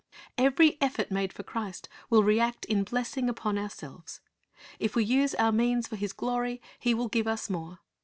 Every effort made for Christ will react in blessing upon ourselves. If we use our means for His glory. He will give us more.